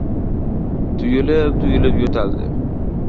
Tuyilib-tuyilib yo‘taldi.